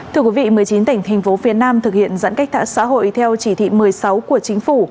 thưa quý vị một mươi chín tỉnh thành phố phía nam thực hiện giãn cách xã hội theo chỉ thị một mươi sáu của chính phủ